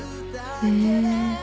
へえ